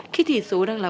khi thỉ số đang là bốn năm